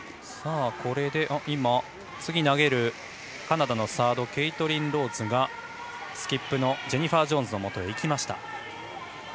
次に投げるカナダのサードケイトリン・ローズがスキップ、ジェニファー・ジョーンズのもとへ行きました。